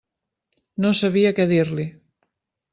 No sabia què dir-li.